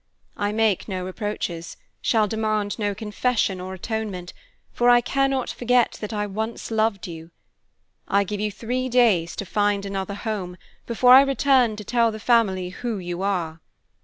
I make no reproaches, shall demand no confession or atonement, for I cannot forget that I once loved you. I give you three days to find another home, before I return to tell the family who you are.